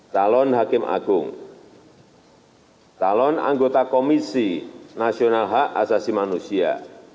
calon hakim agung calon anggota komisi nasional hak asasi manusia